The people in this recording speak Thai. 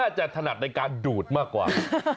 จะถนัดในการดูดมากกว่า